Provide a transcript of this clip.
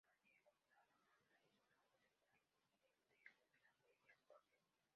De familia acomodada, Manuel es un hombre de talante liberal, de ideas propias.